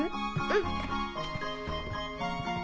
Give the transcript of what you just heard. うん。